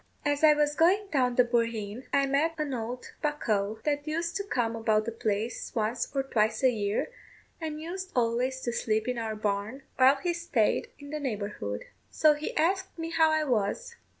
As I was going down the bohereen I met an old bocough, that used to come about the place once or twice a year, and used always to sleep in our barn while he staid in the neighbourhood. So he asked me how I was.